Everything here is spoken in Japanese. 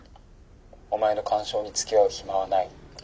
お前の感傷につきあう暇はない。